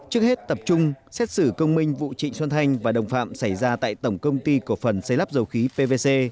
trước hết tập trung xét xử công minh vụ trịnh xuân thanh và đồng phạm xảy ra tại tổng công ty cổ phần xây lắp dầu khí pvc